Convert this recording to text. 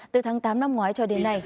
từ tháng tám năm ngoái cho đến nay